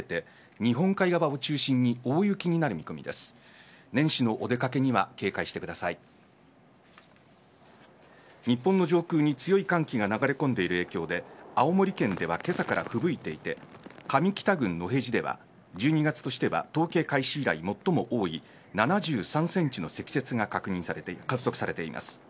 日本の上空に強い寒気が流れ込んでいる影響で青森県ではけさからふぶいていて上北郡野辺地では１２月としては統計開始以来、最も多い７３センチの積雪が観測されています。